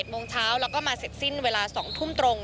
โมงเช้าแล้วก็มาเสร็จสิ้นเวลา๒ทุ่มตรง